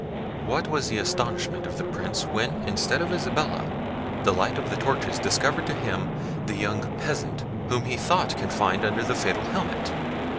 What was the astonishment of the Prince when, instead of Isabella, the light of the torches discovered to him the young peasant whom he thought confined under the fatal helmet!